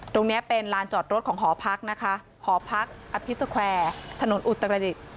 ตรงนี้เป็นลานจอดรถของหอพักนะคะหอพักอภิษแควร์ถนนอุตรดิษฐ์